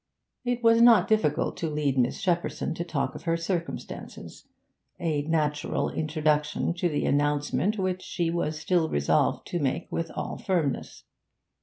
It was not difficult to lead Miss Shepperson to talk of her circumstances a natural introduction to the announcement which she was still resolved to make with all firmness.